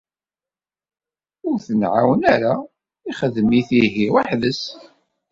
Ur t-nεawen ara, ixdem-it ihi weḥd-s.